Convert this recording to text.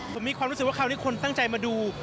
ผมมีความรู้สึกว่าคราวนี้คนตั้งใจมาดู